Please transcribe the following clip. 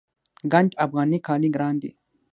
ګنډ افغاني کالي ګران دي